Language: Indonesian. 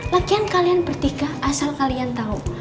lagian kalian bertiga asal kalian tahu